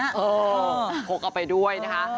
โอ้โฮโคกออกไปด้วยนะคะ